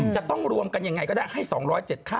จะรวมกันยังไงก็ได้๒๐๗ข่ากระดาษ